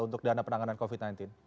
untuk dana penanganan covid sembilan belas